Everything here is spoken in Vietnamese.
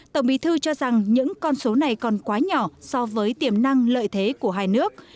tổng bí thư cho rằng những con số này còn quá nhỏ so với tiềm năng lợi thế của hai nước